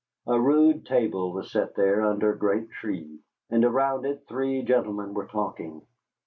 A rude table was set there under a great tree, and around it three gentlemen were talking.